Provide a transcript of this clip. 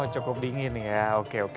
oke itu yang menjadi tantangannya inne